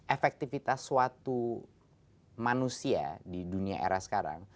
efektivitas suatu manusia di dunia era sekarang